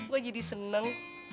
gue jadi seneng